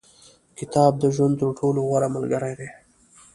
• کتاب، د ژوند تر ټولو غوره ملګری دی.